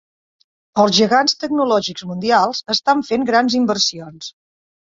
Els gegants tecnològics mundials estan fent grans inversions.